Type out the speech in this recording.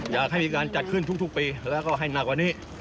อยากให้มีการจัดขึ้นทุกปีแล้วก็ให้หนักกว่านี้